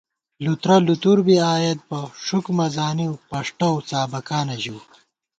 لُترہ لُتر بی آئیت بہ، ݭُک مہ زانِؤ، پݭٹؤ څابَکانہ ژِؤ